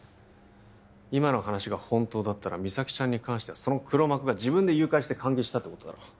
今の話が本当だったら実咲ちゃんに関してはその黒幕が自分で誘拐して監禁したってことだろ？